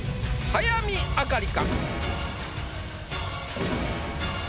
早見あかり！